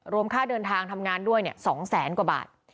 ค่าเดินทางทำงานด้วย๒แสนกว่าบาท